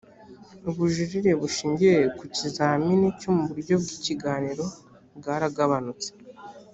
ubujurire bushingiye ku kizamini cyo mu buryo bw ikiganiro bwaragabanutse